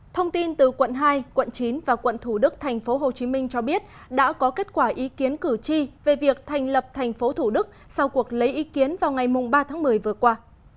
thông tin từ quận hai quận chín và quận thủ đức tp hcm cho biết đã có kết quả ý kiến cử tri về việc thành lập tp thủ đức sau cuộc lấy ý kiến vào ngày ba tháng một mươi vừa qua